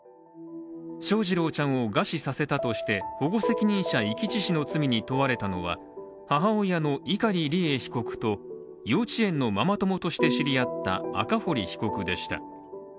翔士郎ちゃんを餓死させたとして保護責任者遺棄致死の罪に問われたのは母親の碇利恵被告と、幼稚園のママ友として知り合った赤堀被告でした。